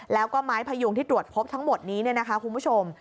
แล้วก็ไม้พยุงที่ตรวจพบทั้งหมดนี้เนี่ยนะคะคุณผู้ชม